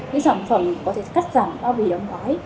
những sản phẩm có thể cắt giảm ba bì đồng gói